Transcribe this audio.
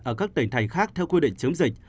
ở các tỉnh thành khác theo quy định chống dịch